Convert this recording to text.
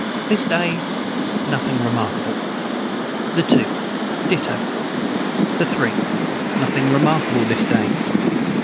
This day nothing remarkable. the 2. Ditto. the 3. Nothing Remarkable this day.